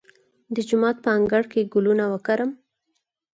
د جومات په انګړ کې ګلونه وکرم؟